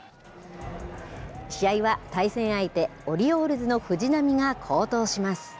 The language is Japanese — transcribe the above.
試合は対戦相手、オリオールズの藤浪が好投します。